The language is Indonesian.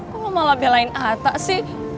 kok lo malah belain atta sih